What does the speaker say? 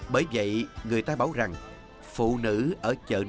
bởi vậy người ta bảo rằng phụ nữ ở chợ nổi là nàng